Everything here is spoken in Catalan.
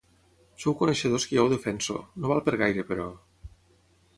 Sou coneixedors que jo ho defenso, no val per gaire, però….